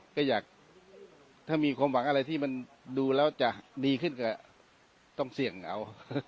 ก็อยากถ้ามีความหวังอะไรที่มันดูแล้วจะดีขึ้นก็ต้องเสี่ยงเอา